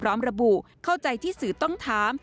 พร้อมระบุเข้าใจที่สื่อต้องถาม